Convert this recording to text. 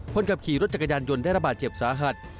คนขับขี่รถจักรยานยนต์ได้ระบาดเจ็บสาหัส